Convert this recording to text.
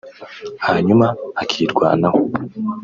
hanyuma akirwanaho